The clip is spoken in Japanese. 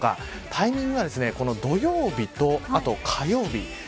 タイミングは、土曜日と火曜日。